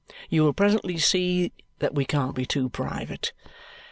You will presently see that we can't be too private.